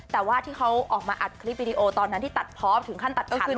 แต่ว่าที่เขาออกมาอัดคลิปวิดีโอตอนนั้นที่ตัดเพาะถึงขั้นตัดขัน